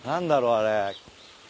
あれ。